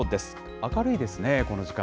明るいですね、この時間。